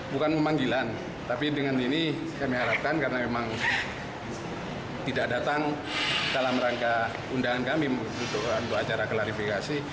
bukan memanggilan tapi dengan ini kami harapkan karena memang tidak datang dalam rangka undangan kami untuk acara klarifikasi